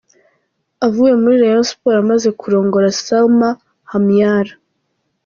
Avuye muri Rayon Sports amaze kurongora Salma Hamyar.